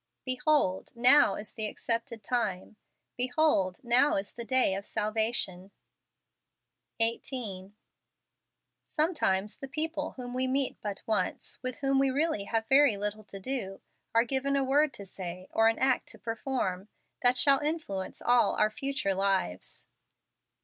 " Behold , now is the accepted time; behold , now is the day of salvation." 22 FEBRUARY. 18. Sometimes the people whom we meet but once, with whom we really have very little to do, are given a word to say, or an act to perform, that shall influence all our future lives.